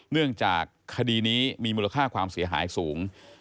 เนื่องจากคดีนี้มีมูลค่าความเสียหายสูง